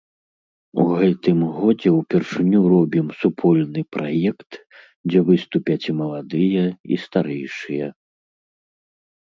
У гэтым годзе ўпершыню робім супольны праект, дзе выступяць і маладыя, і старэйшыя.